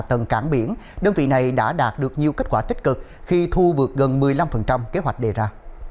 tầng cảng biển đơn vị này đã đạt được nhiều kết quả tích cực khi thu vượt gần một mươi năm kế hoạch đề ra